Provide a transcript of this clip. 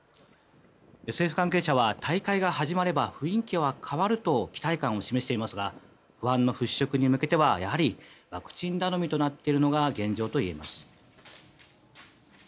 政府関係者は大会が始まれば雰囲気は変わると期待感を示していますが不安の払しょくに向けてはやはりワクチン頼みとなっているのが現状といえます。